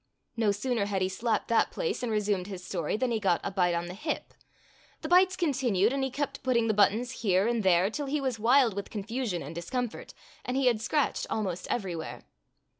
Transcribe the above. No sooner had he slapped that place and resumed his story than he got a bite on the hip. The bites continued, and he kept put ting the buttons here and there till he was wild with confusion and discomfort, and he had scratched almost everywhere.